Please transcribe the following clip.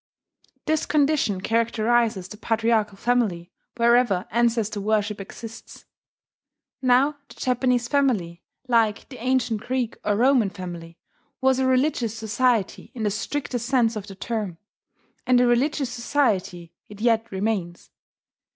This condition characterizes the patriarchal family wherever ancestor worship exists. Now the Japanese family, like the ancient Greek or Roman family, was a religious society in the strictest sense of the term; and a religious society it yet remains.